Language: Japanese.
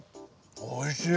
おいしい。